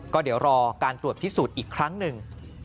ก็เดี๋ยวรอการตรวจพิสูจน์อีกครั้งหนึ่ง